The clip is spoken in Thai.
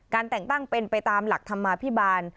แต่งตั้งเป็นไปตามหลักธรรมาภิบาล